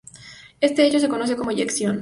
Este hecho, se conoce como eyección.